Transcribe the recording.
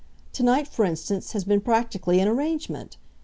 To night, for instance, has been practically an arrangement.